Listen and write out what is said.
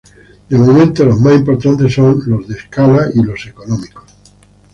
De momento, los más importantes son los de escala y los económicos.